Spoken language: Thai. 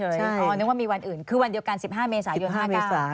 นึกว่ามีวันอื่นคือวันเดียวกัน๑๕เมษายน๕๙